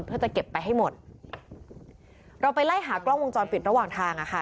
เพื่อจะเก็บไปให้หมดเราไปไล่หากล้องวงจรปิดระหว่างทางอ่ะค่ะ